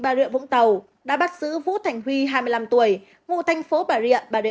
bà rượu vũng tàu đã bắt giữ vũ thành huy hai mươi năm tuổi ngụ thành phố bà rượu